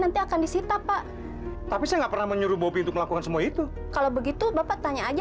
nanti akan disita pak tapi saya nggak pernah menyuruh bobi untuk melakukan semua itu kalau begitu bapak tanya aja